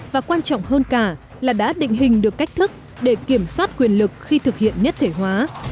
và quan trọng hơn cả là đã định hình được cách thức để kiểm soát quyền lực khi thực hiện nhất thể hóa